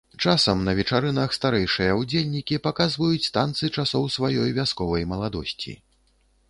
Часам на вечарынах старэйшыя ўдзельнікі паказваюць танцы часоў сваёй вясковай маладосці.